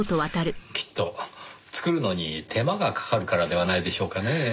きっと作るのに手間がかかるからではないでしょうかねぇ。